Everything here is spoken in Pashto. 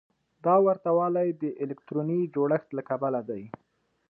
دا ورته والی د الکتروني جوړښت له کبله دی.